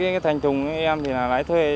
cái thành thùng em thì là lái thuê